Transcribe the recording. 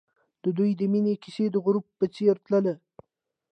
د دوی د مینې کیسه د غروب په څېر تلله.